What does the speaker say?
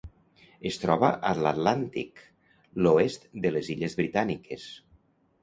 Es troba a l'Atlàntic: l'oest de les illes Britàniques.